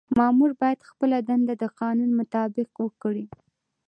مامور باید خپله دنده د قانون مطابق وکړي.